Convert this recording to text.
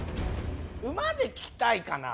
馬で来たいかな。